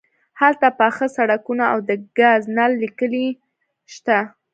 هلته پاخه سړکونه او د ګاز نل لیکې شته